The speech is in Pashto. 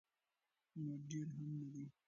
نو ډیر هم نه دي.